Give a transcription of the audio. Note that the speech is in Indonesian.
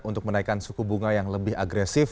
untuk menaikkan suku bunga yang lebih agresif